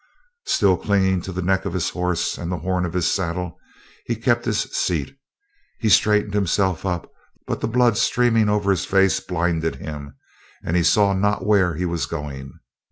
Still clinging to the neck of his horse and the horn of his saddle, he kept his seat. He straightened himself up, but the blood streaming over his face blinded him, and he saw not where he was going.